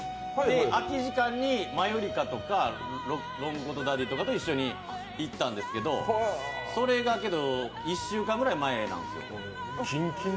空き時間でマユリカとかロングコートダディと一緒に行ったんですけどそれが１週間ぐらい前なんですよ。